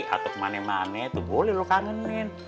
atau ke manemane tuh boleh lo kangenin